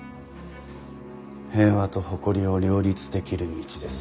平和と誇りを両立できる道です。